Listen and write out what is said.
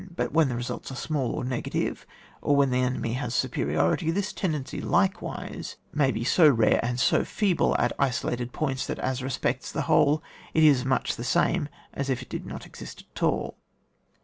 But when the results are small or negative, or when the enemy has the supe riority, this tendency likewise may be so QUILE TO TACTICS, OR TUE THEORY OF TEE COMBAT 139 rare and so feeble at isolated points, that, as respects the whole, it is much the same aa if it did not exist at all.